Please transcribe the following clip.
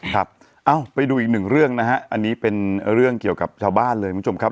เอ้าไปดูอีกหนึ่งเรื่องนะฮะอันนี้เป็นเรื่องเกี่ยวกับชาวบ้านเลยคุณผู้ชมครับ